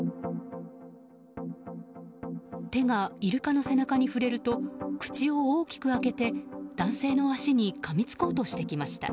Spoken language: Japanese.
手がイルカの背中に触れると口を大きく開けて、男性の足にかみつこうとしてきました。